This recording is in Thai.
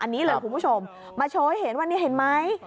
อันนี้เลยคุณผู้ชมมาโชว์ให้เห็นว่านี่เห็นไหม